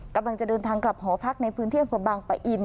กำลังจะเดินทางกลับหอพักในพื้นที่อำเภอบางปะอิน